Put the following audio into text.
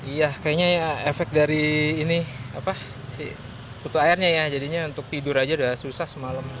iya kayaknya ya efek dari ini apa putu airnya ya jadinya untuk tidur aja sudah susah sepertinya